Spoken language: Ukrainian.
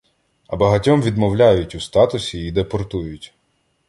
А багатьом відмовляють у статусі й депортують